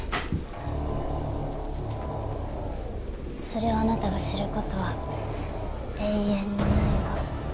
それをあなたが知ることは永遠にないわ。